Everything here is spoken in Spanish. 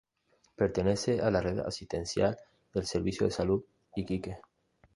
Pertenece a la red asistencial del Servicio de Salud Iquique.